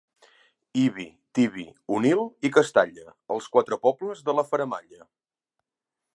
Ibi, Tibi, Onil i Castalla, els quatre pobles de la faramalla.